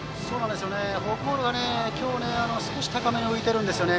フォークボールが今日は少し高めに浮いていますね。